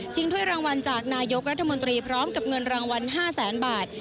ถ้วยรางวัลจากนายกรัฐมนตรีพร้อมกับเงินรางวัล๕แสนบาท